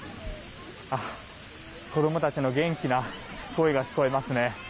子供たちの元気な声が聞こえますね。